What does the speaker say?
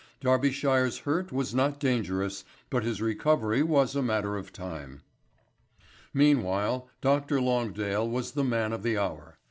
Darbyshire's hurt was not dangerous, but his recovery was a matter of time. Meanwhile Dr. Longdale was the man of the hour.